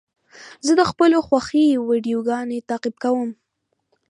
زه د خپلو خوښې ویډیوګانو تعقیب کوم.